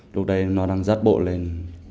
lúc đấy nó đang rát bộ lên